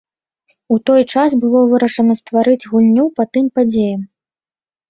У той час было вырашана стварыць гульню па тым падзеям.